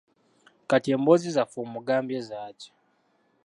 Kati emboozi zaffe omugambye zaaki?